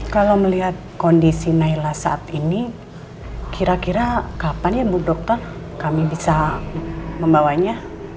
kalau melihat kondisi naila saat ini kira kira kapan ya bu dokter kami bisa membawanya